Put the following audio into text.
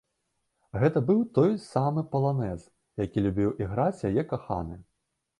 Гэта быў той самы паланэз, які любіў іграць яе каханы.